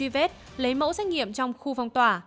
vết lấy mẫu xét nghiệm trong khu phong tỏa